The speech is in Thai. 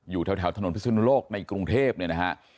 อยู่แถวถนนพิศนุโลกในกรุงเทพเนี่ยนะฮะ